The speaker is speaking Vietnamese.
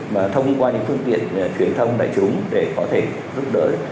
và thông qua những phương tiện truyền thông đại chúng để có thể giúp đỡ